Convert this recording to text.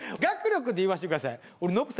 学力で言わしてください。